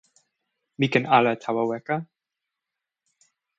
mi ken ala tawa weka.